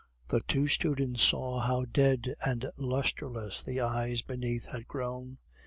The two students saw how dead and lustreless the eyes beneath had grown.